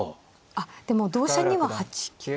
あっでも同飛車には８九。